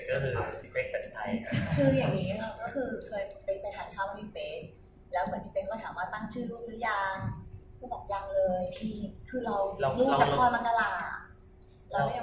ก็ถามว่าปางชื่อรู้มหรือยัง